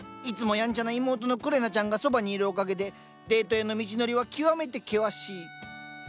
いつもやんちゃな妹のくれなちゃんがそばにいるおかげでデートへの道のりは極めて険しい。